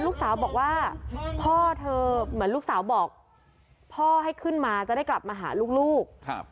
ลูกสาวบอกว่าพ่อเธอเหมือนลูกสาวบอกพ่อให้ขึ้นมาจะได้กลับมาหาลูก